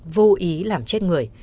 vô ý làm chết người